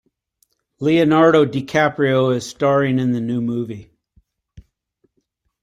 Leonardo DiCaprio is staring in the new movie.